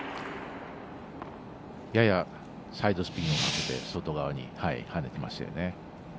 ややサイドスピンをかけて外側にはねていましたよね。